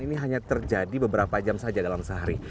ini hanya terjadi beberapa jam saja dalam sehari